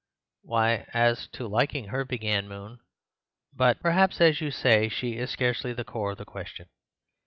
"Why, as to liking her," began Moon, "I—but perhaps, as you say, she is scarcely the core of the question.